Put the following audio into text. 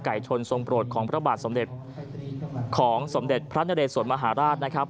ชนทรงโปรดของพระบาทสมเด็จของสมเด็จพระนเรสวนมหาราชนะครับ